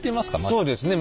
そうですね。